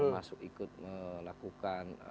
masuk ikut melakukan